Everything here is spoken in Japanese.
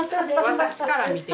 私から見て。